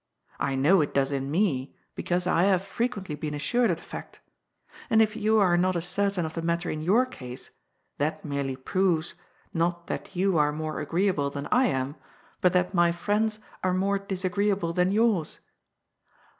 I know it does in me, be cause I have frequently been assured of the fact. And if you are not as certain of the matter in your case, that merely proves, not that you are more agreeable than I am, but that my friends are more disagreeable than yours.